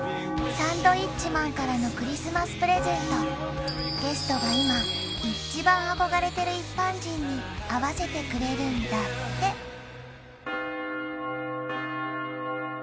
サンドウィッチマンからのクリスマスプレゼントゲストが今一番憧れてる一般人に会わせてくれるんだってって思ってはいー